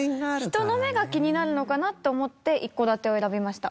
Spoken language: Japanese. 人の目が気になるのかなと思って一戸建てを選びました。